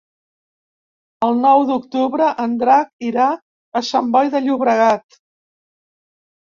El nou d'octubre en Drac irà a Sant Boi de Llobregat.